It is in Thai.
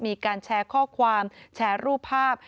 มีการแชร์ข้อความแชร์รูปภาพ